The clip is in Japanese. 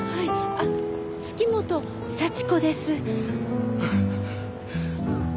あっ月本幸子です。